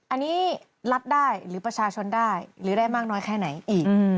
อันนี้รัฐได้หรือประชาชนได้หรือได้มากน้อยแค่ไหนอีก